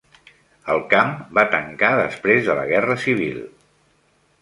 El camp va tancar després de la Guerra Civil.